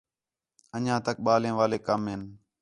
اَن٘ڄیاں تک ٻالیں والے کم ہِن